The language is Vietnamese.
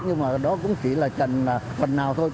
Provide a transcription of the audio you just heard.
nhưng mà đó cũng chỉ là trành phần nào thôi